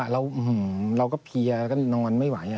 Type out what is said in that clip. เราก็เพียก็นอนไม่ไหว